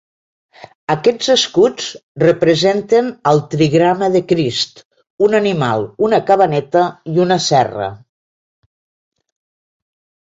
Aquests escuts representen el trigrama de Crist, un animal, una cabaneta i una serra.